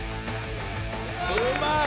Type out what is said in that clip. うまい！